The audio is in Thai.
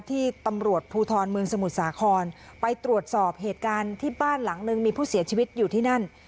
ที่ตำรวจภูทรเมืองสมุทรสาครไปตรวจสอบเหตุการณ์ที่บ้านหลังนึงมีผู้เสียชีวิตอยู่ที่นั่น